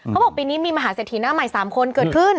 ปีนี้มีมหาเศรษฐีหน้าใหม่๓คนเกิดขึ้น